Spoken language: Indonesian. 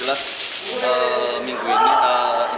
lawan madura belum bisa main